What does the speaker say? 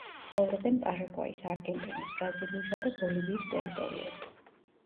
ცხოვრობენ პარაგვაის, არგენტინის, ბრაზილიისა და ბოლივიის ტერიტორიაზე.